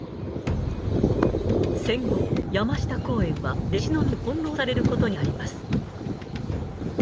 戦後『山下公園』は歴史の波に翻弄されることになります。